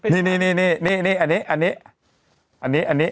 นี่อันนี้